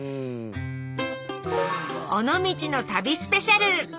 「尾道の旅スペシャル」！